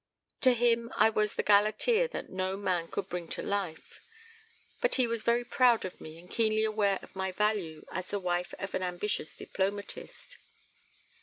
To him I was the Galatea that no man could bring to life. But he was very proud of me and keenly aware of my value as the wife of an ambitious diplomatist.